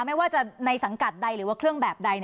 ไม่ว่าจะในสังกัดใดหรือว่าเครื่องแบบใด